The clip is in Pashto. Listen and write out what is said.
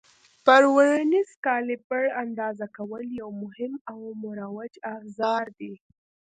پر ورنیز کالیپر اندازه کول یو مهم او مروج افزار دی.